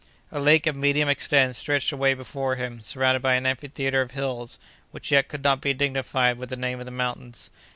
A lake of medium extent stretched away before him, surrounded by an amphitheatre of hills, which yet could not be dignified with the name of mountains.